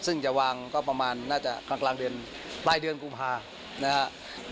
ซึ่งจะวางก็ประมาณน่าจะกลางเดือนปลายเดือนกุมภานะครับ